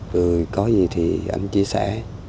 rồi có gì thì anh chia sẻ